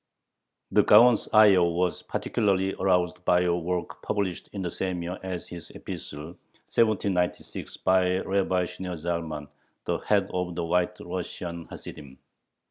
The Gaon's ire was particularly aroused by a work published in the same year as his epistle (1796), by Rabbi Shneor Zalman, the head of the White Russian Hasidim.